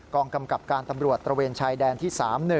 กำกับการตำรวจตระเวนชายแดนที่๓๑